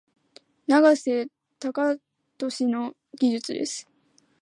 永瀬貴規の技術です。